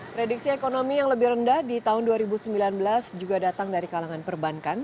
prediksi ekonomi yang lebih rendah di tahun dua ribu sembilan belas juga datang dari kalangan perbankan